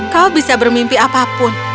kau bisa bermimpi apapun